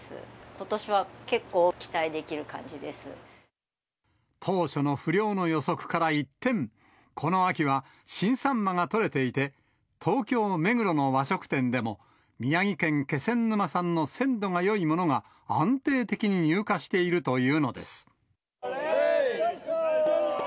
ことしは結構、期待できる感じで当初の不漁の予測から一転、この秋は新サンマが取れていて、東京・目黒の和食店でも、宮城県気仙沼産の鮮度がよいものが、安定的に入荷しているというのです。